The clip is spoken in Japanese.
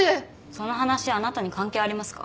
その話あなたに関係ありますか？